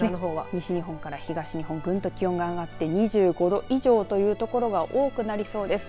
西日本から東日本、ぐんと気温が上がって２５度以上という所が多くなりそうです。